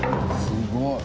すごい。